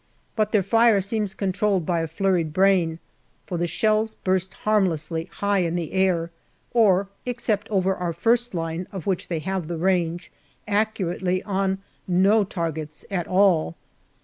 But their fire seems con trolled by a flurried brain, for the shells burst harmlessly, high in the air, or, except over our first line, of which they have the range, accurately on no targets at all.